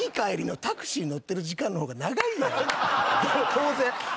当然。